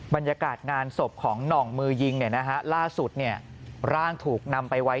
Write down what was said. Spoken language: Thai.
บรรยากาศงานศพของหน่องมือยิงล่าสุดร่างถูกนำไปไว้